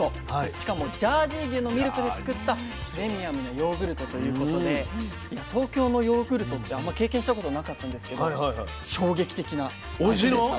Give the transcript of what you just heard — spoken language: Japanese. しかもジャージー牛のミルクで作ったプレミアムなヨーグルトということで東京のヨーグルトってあんま経験したことなかったんですけど衝撃的な味でした。